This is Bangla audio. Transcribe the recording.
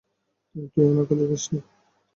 তুই উনাকে দেখিসনি?